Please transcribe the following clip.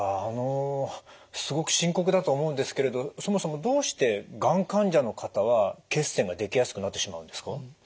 あのすごく深刻だと思うんですけれどそもそもどうしてがん患者の方は血栓ができやすくなってしまうんですか？